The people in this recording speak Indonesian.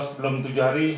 sebelum tujuh hari